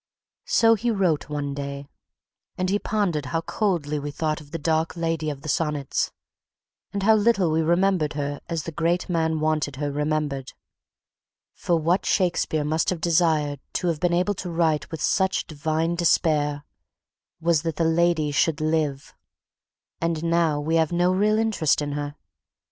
So he wrote one day, when he pondered how coldly we thought of the "Dark Lady of the Sonnets," and how little we remembered her as the great man wanted her remembered. For what Shakespeare must have desired, to have been able to write with such divine despair, was that the lady should live... and now we have no real interest in her....